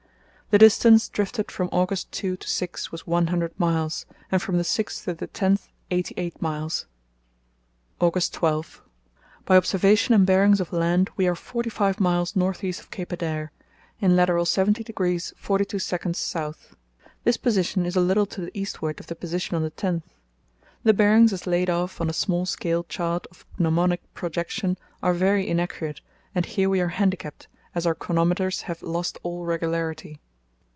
The distance drifted from August 2 to 6 was one hundred miles, and from the 6th to the 10th eighty eight miles. "August 12.—By observation and bearings of land we are forty five miles north east of Cape Adare, in lat. 70° 42´ S. This position is a little to the eastward of the position on the 10th. The bearings as laid off on a small scale chart of gnomonic projection are very inaccurate, and here we are handicapped, as our chronometers have lost all regularity.